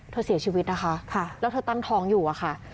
เสียชีวิตนะคะแล้วเธอตั้งท้องอยู่อะค่ะ